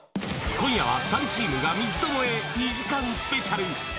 今夜は３チームが三つどもえ２時間スペシャル。